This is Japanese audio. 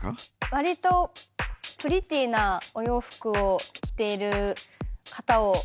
わりとプリティーなお洋服を着ている方を選びました。